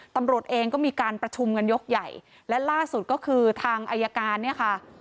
ตำรวจเองก็มีการประชุมกันยกใหญ่และล่าสุดก็คือทางอายการเนี่ยค่ะ